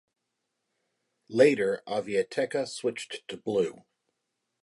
Later Aviateca switched to blue.